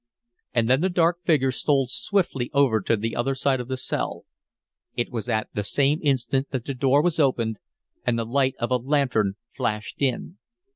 And then the dark figure stole swiftly over to the other side of the cell. It was at the same instant that the door was opened and the light of a lantern flashed in.